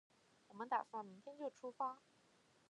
我们打算明天就出发